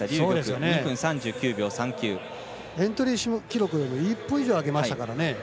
エントリー記録よりも１分以上上げましたからね。